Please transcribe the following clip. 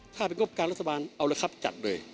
ถ้าเป็นงบการรัฐบาลเอาละครับจัดเลย